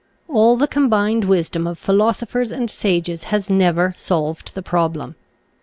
All the combined wisdom of philosophers and sages has never solved the problem.